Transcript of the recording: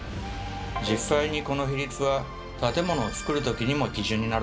実際にこの比率は建物を造るときにも基準になるほどでした。